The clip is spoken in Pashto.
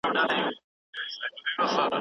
د فکر وده د ژبي له ودي سره تړلې ده.